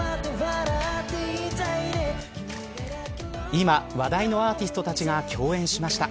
今話題のアーティストたちが共演しました。